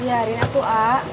iya rina tuh ah